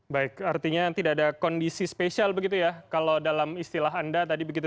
baik artinya tidak ada kondisi spesial begitu ya kalau dalam istilah anda tadi begitu